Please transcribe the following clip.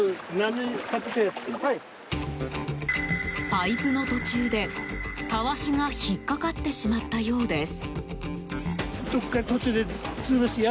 パイプの途中で、たわしが引っかかってしまったようです。